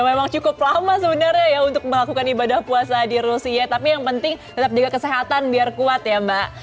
memang cukup lama sebenarnya ya untuk melakukan ibadah puasa di rusia tapi yang penting tetap jaga kesehatan biar kuat ya mbak